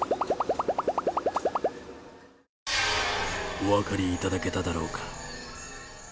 お分かりいただけただろうか。